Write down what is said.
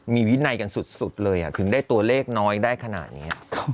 มีวินัยกันสุดเลยถึงได้ตัวเลขน้อยได้ขนาดนี้